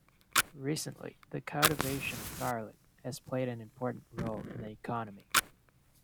Recently the cultivation of garlic has played an important role in the economy.